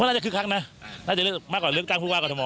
ว่าน่าจะครึ่งครั้งนะน่าจะมากกว่าเลือกตั้งผู้ว่ากรรมศาลมอล์